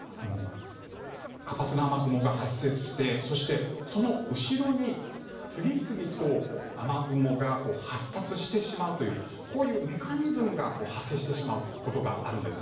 活発な雨雲が発生してそしてその後ろに次々と雨雲が発達してしまうというこういうメカニズムが発生してしまうことがあるんです。